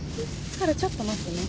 沙羅ちょっと待ってね。